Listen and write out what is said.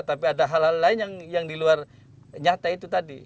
tapi ada hal hal lain yang di luar nyata itu tadi